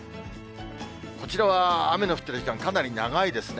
こちらは、雨の降ってる時間、かなり長いですね。